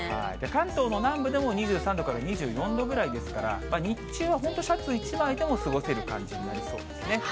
関東の南部でも２３度から２４度ぐらいですから、日中は本当、シャツ１枚でも過ごせる感じになりそうですね。